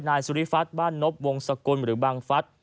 นายสุริฟัฒนบ้านนบวงสกุลหรือบังฟัส